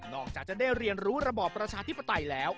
จากจะได้เรียนรู้ระบอบประชาธิปไตยแล้ว